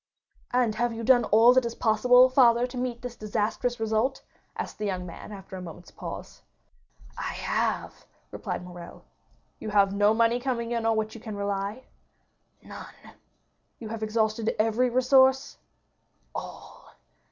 "And have you done all that is possible, father, to meet this disastrous result?" asked the young man, after a moment's pause. "I have," replied Morrel. "You have no money coming in on which you can rely?" "None." "You have exhausted every resource?" "All."